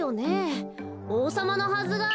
おうさまのはずが。